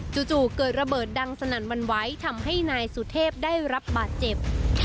จู่เกิดระเบิดดังสนั่นวันไหวทำให้นายสุเทพได้รับบาดเจ็บ